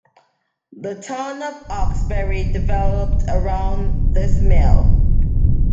The town of Hawkesbury developed around this mill.